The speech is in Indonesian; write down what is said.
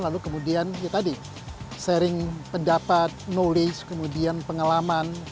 lalu kemudian ya tadi sharing pendapat knowledge kemudian pengalaman